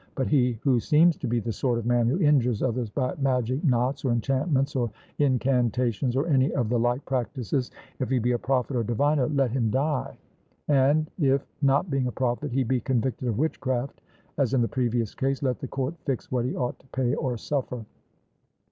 But he who seems to be the sort of man who injures others by magic knots, or enchantments, or incantations, or any of the like practices, if he be a prophet or diviner, let him die; and if, not being a prophet, he be convicted of witchcraft, as in the previous case, let the court fix what he ought to pay or suffer.